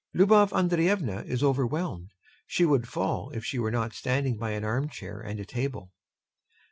[LUBOV ANDREYEVNA is overwhelmed; she would fall if she were not standing by an armchair and a table.